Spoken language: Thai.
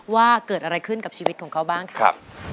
ว่าเกิดอะไรขึ้นกับชีวิตของเขาบ้างครับ